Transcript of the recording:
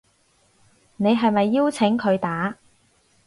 你係咪邀請佢打